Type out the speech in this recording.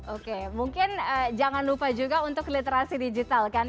oke mungkin jangan lupa juga untuk literasi digital kan